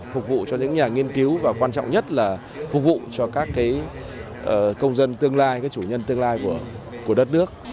phục vụ cho những nhà nghiên cứu và quan trọng nhất là phục vụ cho các công dân tương lai các chủ nhân tương lai của đất nước